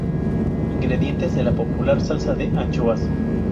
Ingredientes de la popular salsa de anchoas.